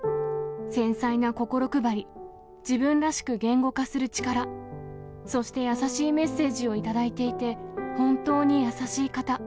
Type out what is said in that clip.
繊細な心配り、自分らしく言語化する力、そして優しいメッセージを頂いていて、本当に優しい方。